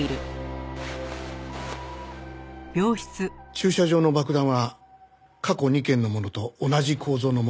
駐車場の爆弾は過去２件のものと同じ構造のものでした。